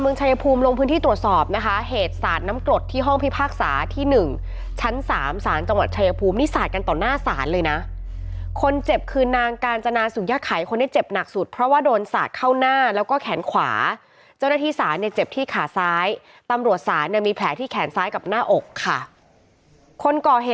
ชายภูมิลงพื้นที่ตรวจสอบนะคะเหตุสาดน้ำกรดที่ห้องพิพากษาที่หนึ่งชั้นสามสารจังหวัดชายภูมินี่สาดกันต่อหน้าศาลเลยนะคนเจ็บคือนางกาญจนาสุยะไขคนที่เจ็บหนักสุดเพราะว่าโดนสาดเข้าหน้าแล้วก็แขนขวาเจ้าหน้าที่ศาลเนี่ยเจ็บที่ขาซ้ายตำรวจศาลเนี่ยมีแผลที่แขนซ้ายกับหน้าอกค่ะคนก่อเหตุ